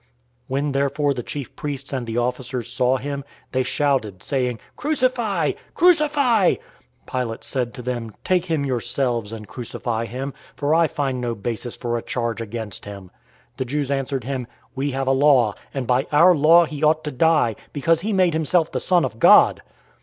019:006 When therefore the chief priests and the officers saw him, they shouted, saying, "Crucify! Crucify!" Pilate said to them, "Take him yourselves, and crucify him, for I find no basis for a charge against him." 019:007 The Jews answered him, "We have a law, and by our law he ought to die, because he made himself the Son of God."